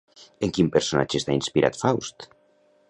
En quin personatge està inspirat Faust?